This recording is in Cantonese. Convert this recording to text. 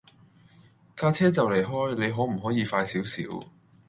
架車就嚟開，你可唔可以快少少